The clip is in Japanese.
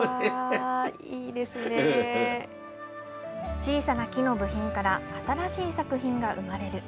小さな木の部品から新しい作品が生まれる。